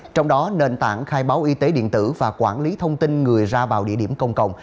trong đó nền tảng khai báo y tế điện tử và quản lý thông tin người ra vào địa điểm công cộng